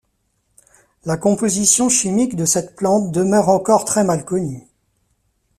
La composition chimique de cette plante demeure encore très mal connue.